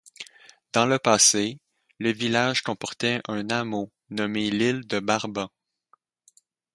Dans le passé, le village comportait un hameau nommé l'île de Barban.